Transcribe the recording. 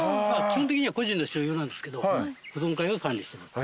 基本的には個人の所有なんですけど保存会が管理してます。